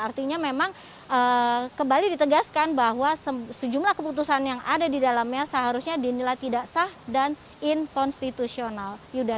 artinya memang kembali ditegaskan bahwa sejumlah keputusan yang ada di dalamnya seharusnya dinilai tidak sah dan inkonstitusional